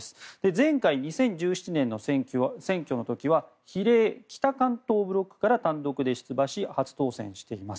前回、２０１７年の選挙の時は比例北関東ブロックから単独で出馬し初当選しています。